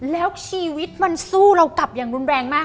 แล้วชีวิตมันสู้เรากลับอย่างรุนแรงมาก